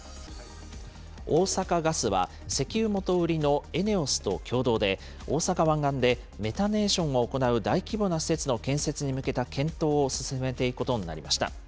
大阪ガスは石油元売りのＥＮＥＯＳと共同で、大阪湾岸でメタネーションを行う大規模な施設の建設に向けた検討を進めていくことになりました。